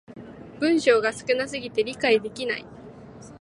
文章が少な過ぎて理解できない